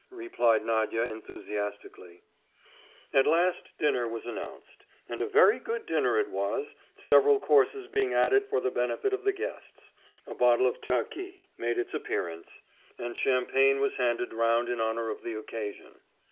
replied Nadia enthusiastically. At last, dinner was announced, and a very good dinner it was, several courses being added for the benefit of the guests: a bottle of tokay made its appearance, and champagne was handed round in honour of the occasion.